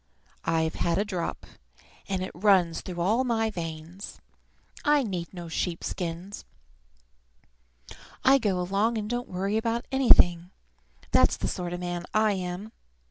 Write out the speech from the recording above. I've had a drop, and it runs through all my veins. I need no sheep skins. I go along and don't worry about anything. That's the sort of man I am!